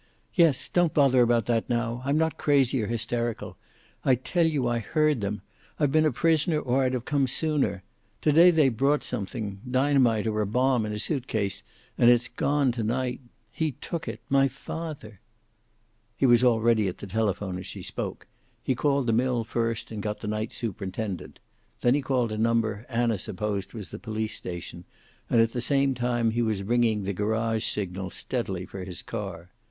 "Yes. Don't bother about that now. I'm not crazy or hysterical. I tell you I heard them. I've been a prisoner or I'd have come sooner. To day they brought something dynamite or a bomb in a suit case and it's gone to night. He took it my father." He was already at the telephone as she spoke. He called the mill first, and got the night superintendent. Then he called a number Anna supposed was the police station, and at the same time he was ringing the garage signal steadily for his car.